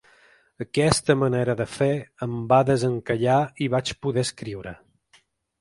Aquesta manera de fer em va desencallar, i vaig poder escriure.